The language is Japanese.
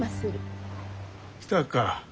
来たか。